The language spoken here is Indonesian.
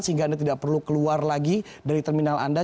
sehingga anda tidak perlu keluar lagi dari terminal anda